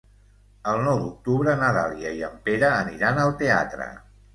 El nou d'octubre na Dàlia i en Pere aniran al teatre.